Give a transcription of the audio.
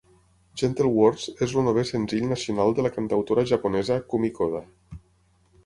"Gentle Words" és el novè senzill nacional de la cantautora japonesa Kumi Koda.